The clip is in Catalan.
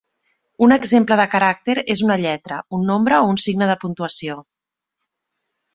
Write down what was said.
Un exemple de caràcter és una lletra, un nombre o un signe de puntuació.